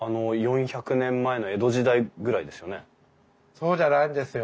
そうじゃないんですよ。